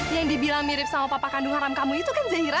yang dibilang mirip sama papa kandung haram kamu itu kan zahira